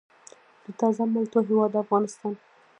د تازه مالټو هیواد افغانستان.